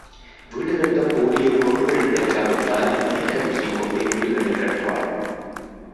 வீடு கட்டப் போதிய பொருள்கள் கிடைக்காவிட்டால், பனிக்கட்டியைக் கொண்டே வீடுகளைக் கட்டுவார்கள்.